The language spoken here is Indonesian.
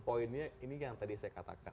poinnya ini yang tadi saya katakan